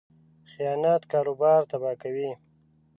خیانت کاروبار تباه کوي.